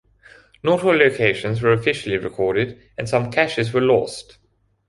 Not all locations were officially recorded and some caches were lost.